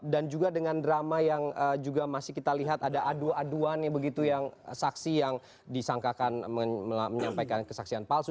dan juga dengan drama yang juga masih kita lihat ada aduan yang begitu yang saksi yang disangkakan menyampaikan kesaksian palsu